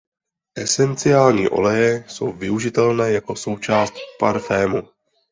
Esenciální oleje jsou využitelné jako součást parfémů.